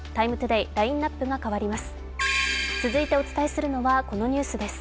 「ＴＩＭＥ，ＴＯＤＡＹ」、ラインナップがかわります。